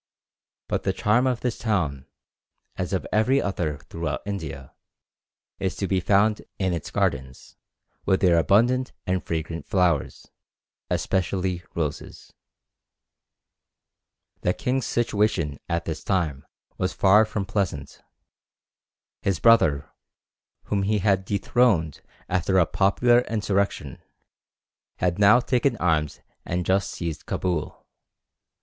But the charm of this town, as of every other throughout India, is to be found in its gardens, with their abundant and fragrant flowers, especially roses. [Illustration: Afghan costumes. (Fac simile of early engraving.)] The king's situation at this time was far from pleasant. His brother, whom he had dethroned after a popular insurrection, had now taken arms and just seized Cabul.